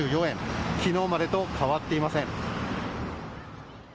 きのうまでと変わっていません。